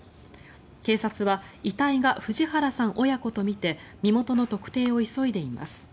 警察は遺体が藤原さん親子とみて身元の特定を急いでいます。